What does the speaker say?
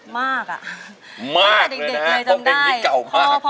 มากอะ